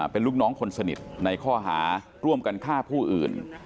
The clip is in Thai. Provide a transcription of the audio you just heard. เป็นลูกน้องคนสนิทในข้อหาร่วมกันฆ่าผู้อื่น